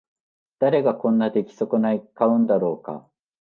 誰がこんな出来損ない買うんだろうか